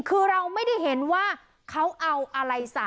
คือเราไม่ได้เห็นว่าเขาเอาอะไรใส่